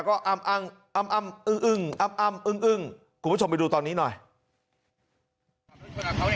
ก็แค่นั้นลูกผู้ชายอ่ามันก็เฉียวกันหน่อยเลย